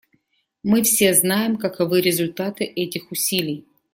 Мы все знаем, каковы результаты этих усилий.